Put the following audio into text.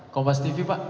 kompas tv pak